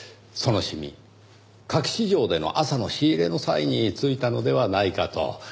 その染み花卉市場での朝の仕入れの際に付いたのではないかと。